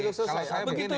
kalau saya begini